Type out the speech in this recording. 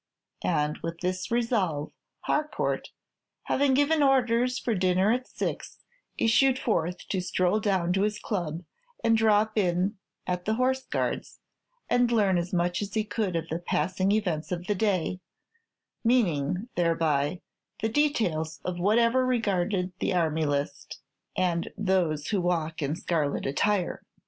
And with this resolve, Harcourt, having given orders for dinner at six, issued forth to stroll down to his club, and drop in at the Horse Guards, and learn as much as he could of the passing events of the day, meaning, thereby, the details of whatever regarded the army list, and those who walk in scarlet attire.